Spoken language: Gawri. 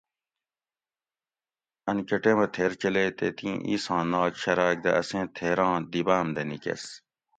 ان کہ ٹیمہ تھیر چلیئ تے تیں ایساں ناک شراۤک دہ اسیں تھیراں دی باۤم دہ نیکیس